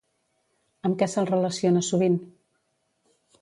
Amb què se'l relaciona sovint?